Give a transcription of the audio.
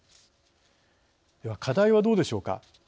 では課題はどうでしょうか。